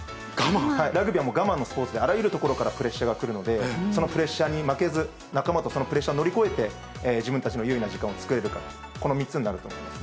ラグビーは我慢のスポーツで、あらゆるところからプレッシャーが来るので、そのプレッシャーに負けず、仲間とそのプレッシャーを乗り越えて、自分たちのゆういな時間を作れるか、この３つになると思いますね。